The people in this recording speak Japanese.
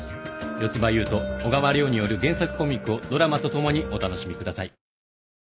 小川亮による原作コミックをドラマと共にお楽しみください。